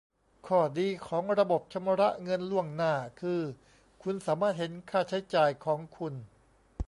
ข้อดีของระบบชำระเงินล่วงหน้าคือคุณสามารถเห็นค่าใช้จ่ายของคุณ